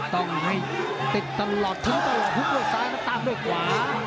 ต้องให้ติดตลอดทิ้งตลอดพลุกเลยซ้ายมาตามด้วยขวา